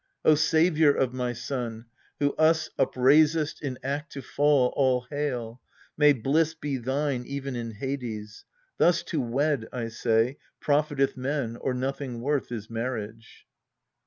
O saviour of my son, who us upraisedst In act to fall, all hail ! May bliss be thine Even in Hades. Thus to wed, I say, Profiteth men or nothing worth is marriage.